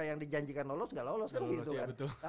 yang dijanjikan lolos gak lolos kan gitu kan